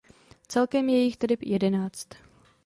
Celkem je jich tedy jedenáct.